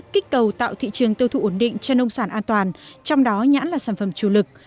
kích cầu tạo thị trường tiêu thụ ổn định cho nông sản an toàn trong đó nhãn là sản phẩm chủ lực